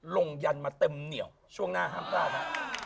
ลงยันทร์มาเติมเหนียวช่วงหน้าฮัมษ์ราชนะ